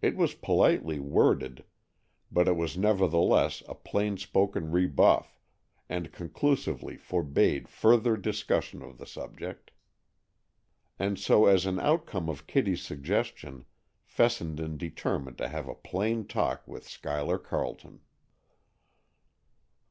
It was politely worded, but it was nevertheless a plain spoken rebuff, and conclusively forbade further discussion of the subject. And so as an outcome of Kitty's suggestion, Fessenden determined to have a plain talk with Schuyler Carleton.